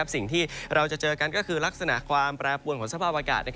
สิ่งที่เราจะเจอกันก็คือลักษณะความแปรปวนของสภาพอากาศ